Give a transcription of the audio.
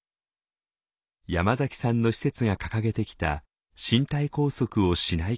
山崎さんの施設が掲げてきた身体拘束をしない介護。